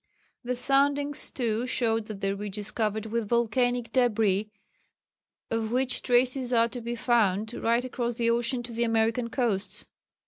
The soundings too showed that the ridge is covered with volcanic débris of which traces are to be found right across the ocean to the American coasts.